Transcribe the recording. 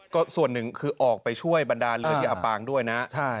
ก็ส่วนหนึ่งคือออกไปช่วยบรรดาเรือที่อับปางด้วยนะ